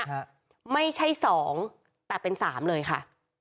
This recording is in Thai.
ฮะไม่ใช่สองแต่เป็นสามเลยค่ะ